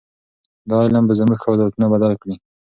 دا علم به زموږ قضاوتونه بدل کړي.